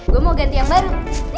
gue mau ganti yang baru